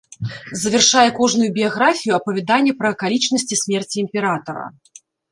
Завяршае кожную біяграфію апавяданне пра акалічнасці смерці імператара.